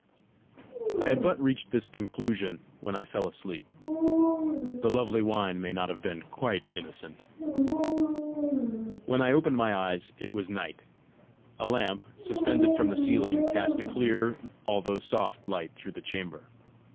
I had but reached this conclusion when I fell asleep. The lovely wine may not have been quite innocent. When I opened my eyes, it was night. A lamp, suspended from the ceiling, cast a clear, although soft light through the chamber.